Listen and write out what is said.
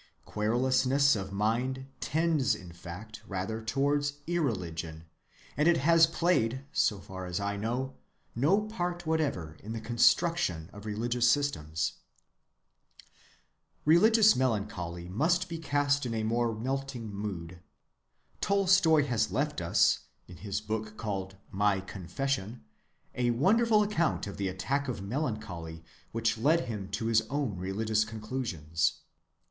Querulousness of mind tends in fact rather towards irreligion; and it has played, so far as I know, no part whatever in the construction of religious systems. ‐‐‐‐‐‐‐‐‐‐‐‐‐‐‐‐‐‐‐‐‐‐‐‐‐‐‐‐‐‐‐‐‐‐‐‐‐ Religious melancholy must be cast in a more melting mood. Tolstoy has left us, in his book called My Confession, a wonderful account of the attack of melancholy which led him to his own religious conclusions.